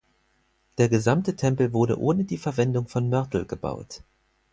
Der gesamte Tempel wurde ohne die Verwendung von Mörtel gebaut.